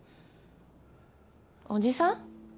おじさん？